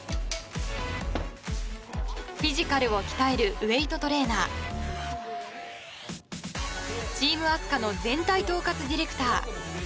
フィジカルを鍛えるウェートトレーナーチームあすかの全体統括ディレクター。